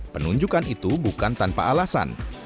penunjukan itu bukan tanpa alasan